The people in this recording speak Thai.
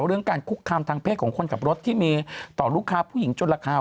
เรื่องการคุกคามทางเพศของคนขับรถที่มีต่อลูกค้าผู้หญิงจนราคา